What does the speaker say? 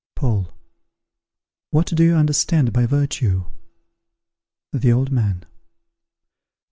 Paul. What do you understand by virtue? _The Old Man.